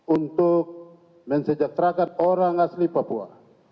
untuk mensejahterakan orang asli papua